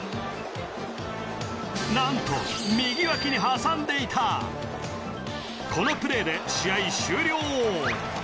なんと右脇に挟んでいたこのプレーで試合終了